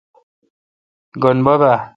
گین بب اؘ۔